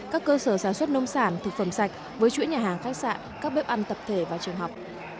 các cơ sở sản xuất nông sản thực phẩm sạch với chuỗi nhà hàng khách sạn các bếp ăn tập thể và trường học